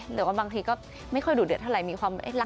เหลือว่าบางทีก็ไม่ค่อยดุเดือดเท่าไร